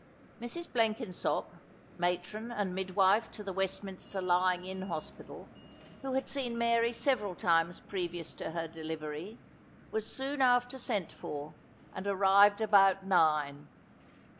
Mrs. Blenkinsop, matron and midwife to the Westminster Lying in Hospital, who had seen Mary several times previous to her delivery, was soon after sent for, and arrived about nine.